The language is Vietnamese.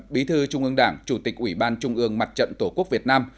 bí thư trung ương đảng chủ tịch ủy ban trung ương mặt trận tổ quốc việt nam